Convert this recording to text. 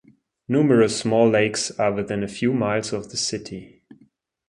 Numerous small lakes are within a few miles of the city.